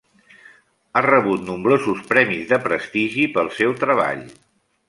Ha rebut nombrosos premis de prestigi pel seu treball.